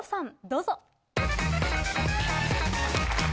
どうぞ。